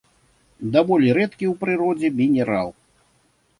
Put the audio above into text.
Даволі рэдкі ў прыродзе мінерал.